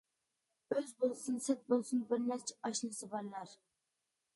-ئۆز بولسۇن، سەت بولسۇن بىر نەچچە ئاشنىسى بارلار.